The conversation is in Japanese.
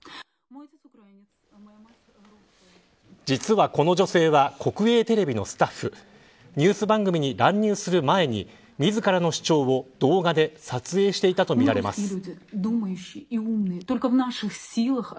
実は、この女性は国営テレビのスタッフニュース番組に乱入する前に自らの主張を動画で撮影していたとみられます。